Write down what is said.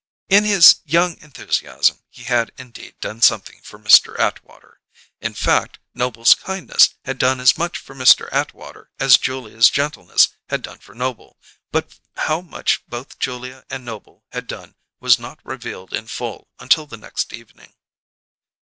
In his young enthusiasm he had indeed done something for Mr. Atwater. In fact, Noble's kindness had done as much for Mr. Atwater as Julia's gentleness had done for Noble, but how much both Julia and Noble had done was not revealed in full until the next evening.